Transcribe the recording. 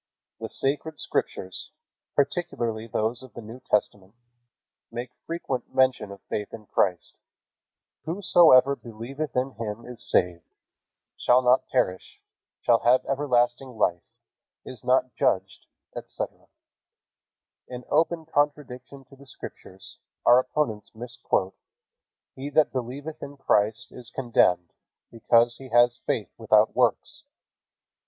The Sacred Scriptures, particularly those of the New Testament, make frequent mention of faith in Christ. "Whosoever believeth in him is saved, shall not perish, shall have everlasting life, is not judged," etc. In open contradiction to the Scriptures, our opponents misquote, "He that believeth in Christ is condemned, because he has faith without works."